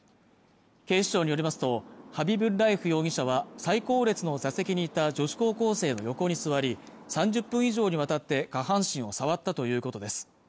警視庁によりますとハビブッラエフ容疑者は最後列の座席にいた女子高校生の横に座り３０分以上にわたって下半身を触ったということです